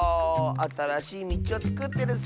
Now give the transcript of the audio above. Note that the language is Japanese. あたらしいみちをつくってるッス。